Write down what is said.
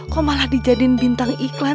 kok malah dijadiin bintang iklan